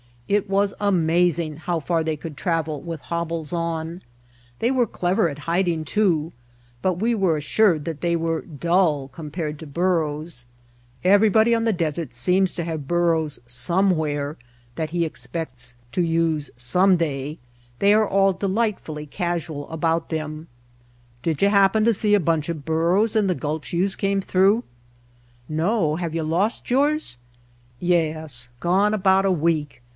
It was amazing how far they could travel with hobbles on. They were clever at hiding, too, but we were assured that they were dull compared to burros. Everybody on White Heart of Mojave the desert seems to have burros somewhere that he expects to use some day. They are all de lightfully casual about them: ''Did you happen to see a bunch of burros in the gulch youse come through?" "No. Have you lost yours?" "Yes. Gone about a week.